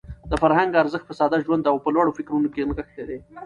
د فرهنګ ارزښت په ساده ژوند او په لوړو فکرونو کې نغښتی دی.